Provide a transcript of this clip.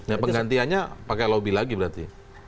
ya penggantiannya pakai lobby lagi berarti